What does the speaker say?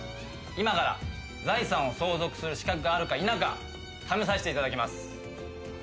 今から財産を相続する資格があるか否か試させていただきます。